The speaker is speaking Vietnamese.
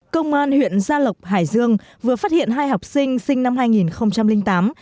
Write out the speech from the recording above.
công an huyện gia lộc hải dương vừa phát hiện hai học sinh sinh năm hai nghìn tám